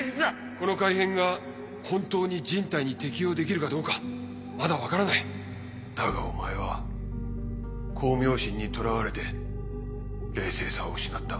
この改変が本当に人体に適用できるかどうかまだ分からないだがお前は功名心にとらわれて冷静さを失った。